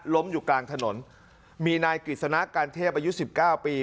อยู่กลางถนนมีนายกฤษณะการเทพอายุสิบเก้าปี